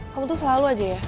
kamu tuh selalu aja ya